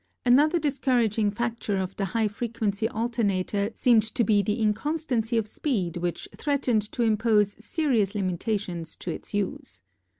Another discouraging fea ture of the high frequency alternator seemed to be the inconstancy of speed which threat ened to impose serious limitations to its use.